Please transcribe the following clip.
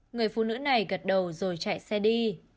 người phụ nữ này gật đầu rồi chạy xe đi